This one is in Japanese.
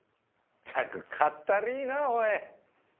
ったくかったりいなぁおい。